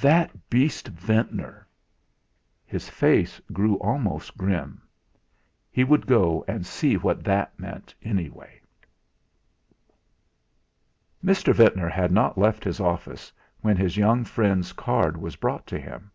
That beast Ventnor!' His face grew almost grim. He would go and see what that meant anyway! 3 Mr. Ventnor had not left his office when his young friend's card was brought to him.